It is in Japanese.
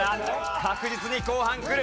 確実に後半くる。